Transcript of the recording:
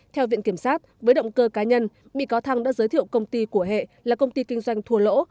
theo viện kiểm sát với động cơ cá nhân bị cáo thăng đã giới thiệu công ty của hệ là công ty kinh doanh thua lỗ